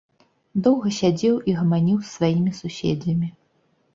Доўга сядзеў і гаманіў з сваімі суседзямі.